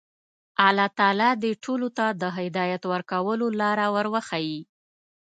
الله تعالی دې ټولو ته د هدایت کولو لاره ور وښيي.